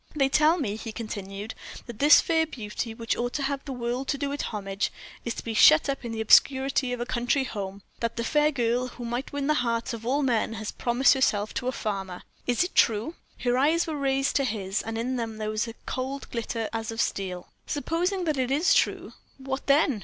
"They tell me," he continued, "that this fair beauty, which ought to have the world to do it homage, is to be shut up in the obscurity of a country home; that the fair girl, who might win the hearts of all men, has promised herself to a farmer. Is it true?" Her eyes were raised to his, and in them there was a cold glitter, as of steel. "Supposing that it is true, what then?"